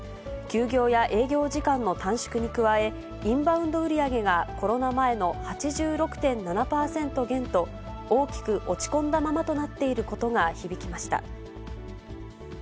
休業や営業時間の短縮に加え、インバウンド売り上げがコロナ前の８６．７％減と、大きく落ち込んだままとなっていることが響きました。